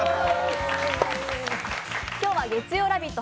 今日は、月曜「ラヴィット！」